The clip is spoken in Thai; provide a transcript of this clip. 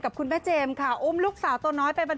ไว้ไปออร่ามาชัด